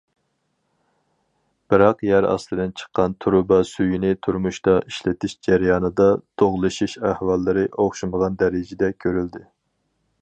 بىراق يەر ئاستىدىن چىققان تۇرۇبا سۈيىنى تۇرمۇشتا ئىشلىتىش جەريانىدا، دۇغلىشىش ئەھۋاللىرى ئوخشىمىغان دەرىجىدە كۆرۈلدى.